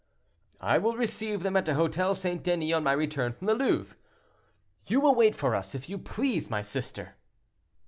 "I will receive them at the Hotel St. Denis on my return from the Louvre. You will wait for us, if you please, my sister."